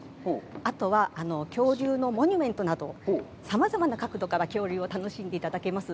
あとは、恐竜のモニュメントなど、さまざまな角度から恐竜を楽しんでいただけます。